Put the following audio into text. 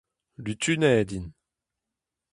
Lutuned int.